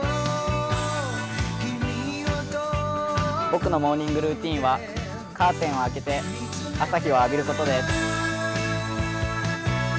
僕のモーニングルーチンはカーテンを開けて、朝日を浴びることです。